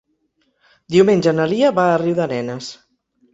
Diumenge na Lia va a Riudarenes.